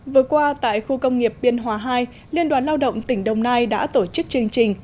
vừa qua tại khu công nghiệp biên hòa hai liên đoàn lao động tỉnh đồng nai đã tổ chức chương trình